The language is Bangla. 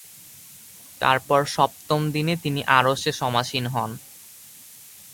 তারপর সপ্তম দিনে তিনি আরশে সমাসীন হন।